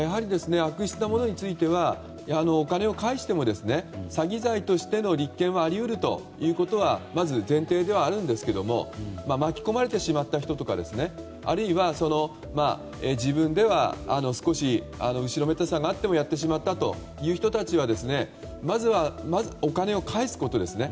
悪質なものについてはお金を返しても詐欺罪としての立件はあり得るということはまず前提ではありますが巻き込まれてしまった人とかあるいは自分では少し後ろめたさがあってもやってしまったという人たちはまず、お金を返すことですね。